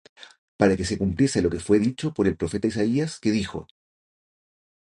Para que se cumpliese lo que fué dicho por el profeta Isaías, que dijo: